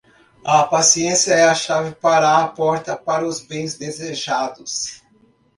A paciência é a chave para a porta para os bens desejados.